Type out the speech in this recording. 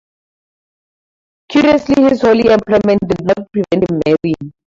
Curiously his holy employment did not prevent him marrying.